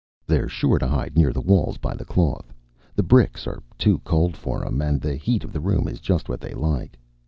"They're sure to hide near the walls by the cloth. The bricks are too cold for 'em, and the heat of the room is just what they like."